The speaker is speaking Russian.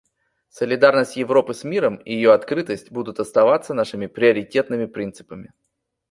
Солидарность Европы с миром и ее открытость будут оставаться нашими приоритетными принципами.